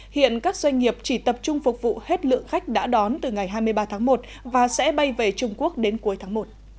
hiện các doanh nghiệp chỉ tập trung phục vụ hết lượng khách đã đón từ ngày hai mươi ba tháng một và sẽ bay về trung quốc đến cuối tháng một